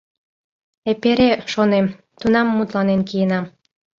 Эпере, шонем, тунам мутланен киенам.